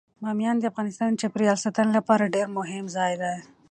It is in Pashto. بامیان د افغانستان د چاپیریال ساتنې لپاره ډیر مهم ځای دی.